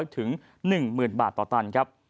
๙๕๐๐ถึงสัก๑๐๐๐๐๐บาทต่อตันครับ